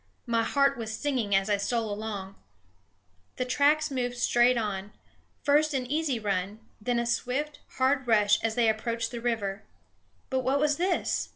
My heart was singing as I stole along. The tracks moved straight on; first an easy run, then a swift, hard rush as they approached the river. But what was this?